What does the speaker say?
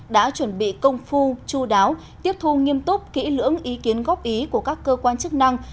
đã chuẩn bị công phu chú đáo tiếp thu nghiêm túc kỹ lưỡng ý kiến góp ý của các cơ quan chức năng